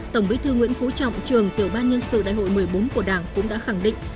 tổng bí thư nguyễn phú trọng trường tiểu ban nhân sự đại hội một mươi bốn của đảng cũng đã khẳng định